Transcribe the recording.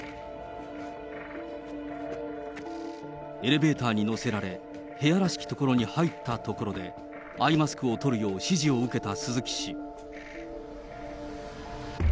エレベーターに乗せられ、部屋らしき所に入ったところで、アイマスクを取るよう指示を受けた鈴木氏。